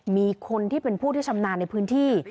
มีคนที่เป็นผู้ที่ชำนาญในพื้นที่